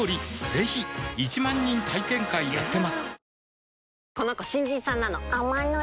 ぜひ１万人体験会やってますはぁ。